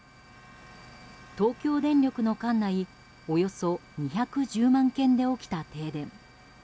東京電力の管内およそ２１０万軒で起きた停電。